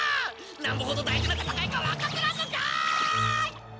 なんぼほど大事な戦いかわかっとらんのかい！